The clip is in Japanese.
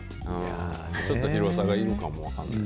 ちょっと広さがいるかもわかんないな。